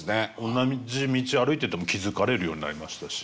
同じ道歩いてても気付かれるようになりましたし。